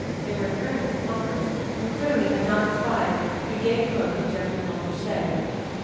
They were in earnest converse, and clearly had not spied the gay cloak of Geoffrey Montfichet.